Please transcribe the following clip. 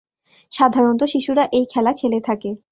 সাধারনত শিশুরা এই খেলা খেলে থাকে।